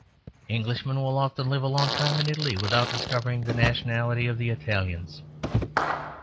Englishmen will often live a long time in Italy without discovering the nationality of the Italians.